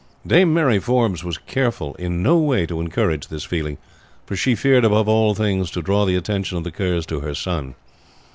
Dame Mary Forbes was careful in no way to encourage this feeling, for she feared above all things to draw the attention of the Kerrs to her son.